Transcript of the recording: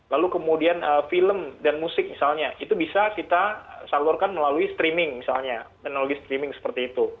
lalu kemudian film dan musik misalnya itu bisa kita salurkan melalui streaming misalnya teknologi streaming seperti itu